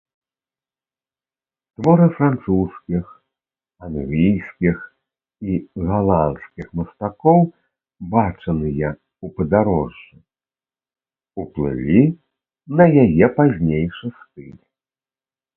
Творы французскіх, англійскіх і галандскіх мастакоў, бачаныя ў падарожжы, уплылі на яе пазнейшы стыль.